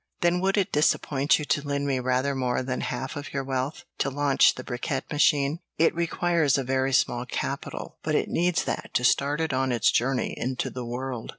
"Then would it disappoint you to lend me rather more than half of your wealth, to launch the bricquette machine? It requires a very small capital, but it needs that to start it on its journey into the world.